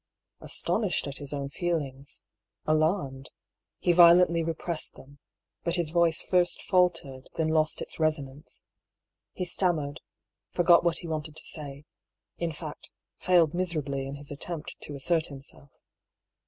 Astonished at his own feelings — alarmed, — he violently repressed them ; but his voice first faltered, then lost its resonance ; he stammered, forgot what he wanted to say ; in fact, failed miserably in his attempt to assert himself.